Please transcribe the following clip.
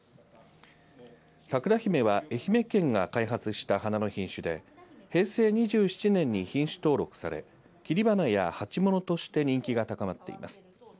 さくらひめは愛媛県が開発した花の品種で平成２７年に品種登録され切り花や鉢物として人気が高まっています。